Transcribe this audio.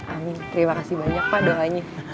amin terima kasih banyak pak doanya